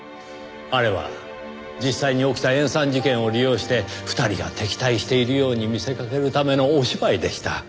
あれは実際に起きた塩酸事件を利用して２人が敵対しているように見せかけるためのお芝居でした。